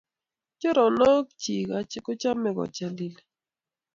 Choronok chik kochame kochalili.